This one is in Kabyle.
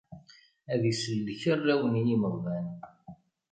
Ad isellek arraw n yimeɣban.